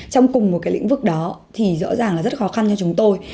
trong cùng một cái lĩnh vực đó thì rõ ràng là rất khó khăn cho chúng tôi